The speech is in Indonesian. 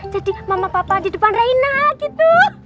jadi mama papa aja depan reina gitu